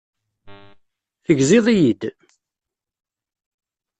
Tegziḍ-iyi-d?